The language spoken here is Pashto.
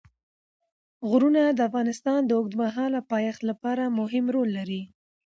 غرونه د افغانستان د اوږدمهاله پایښت لپاره مهم رول لري.